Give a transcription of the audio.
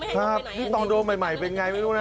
ครับนี่ตอนโดนใหม่เป็นไงไม่รู้นะ